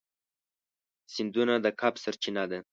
سیندونه د کب سرچینه ده.